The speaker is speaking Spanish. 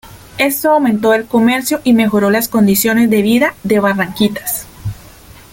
Esto aumentó el comercio y mejoró las condiciones de vida de Barranquitas.